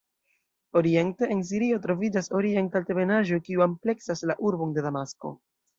Oriente, en Sirio, troviĝas Orienta Altebenaĵo kiu ampleksas la urbon de Damasko.